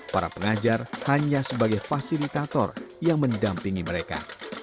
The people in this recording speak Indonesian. para pengajar hanya sebagai fasilitator yang mendampingi mereka